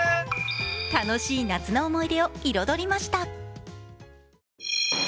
楽しい夏の思い出を彩りました。